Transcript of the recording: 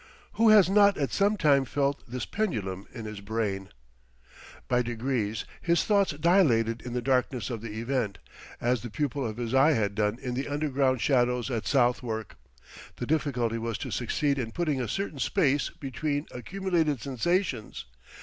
Who has not at some time felt this pendulum in his brain? By degrees his thoughts dilated in the darkness of the event, as the pupil of his eye had done in the underground shadows at Southwark. The difficulty was to succeed in putting a certain space between accumulated sensations.